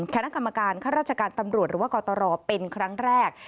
คณะกรรมการข้าราชการตำรวจหรือว่ากตรเป็นครั้งแรก